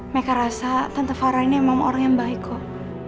mereka rasa tante farah ini emang orang yang baik kok